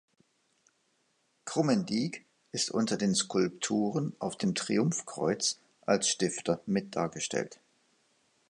Krummendiek ist unter den Skulpturen auf dem Triumphkreuz als Stifter mit dargestellt.